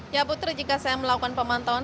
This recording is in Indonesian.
ya putri jika saya melakukan pemantauan